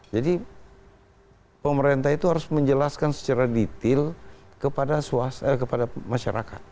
jadi pemerintah itu harus menjelaskan secara detail kepada masyarakat